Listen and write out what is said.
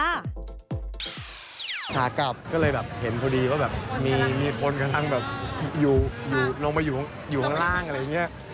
ขากลับก็เลยแบบเห็นพอดีว่าแบบมีคนกำลังแบบอยู่ลงไปอยู่ข้างล่างอะไรอย่างนี้